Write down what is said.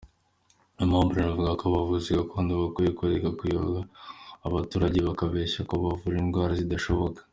Aimable anavuga ko abavuzi gakondo bakwiye kureka kuyobya abaturage bababeshya ko bavura indwara zidashoboka.